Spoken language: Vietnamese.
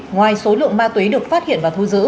ngoài số lượng ma túy được phát hiện và thu giữ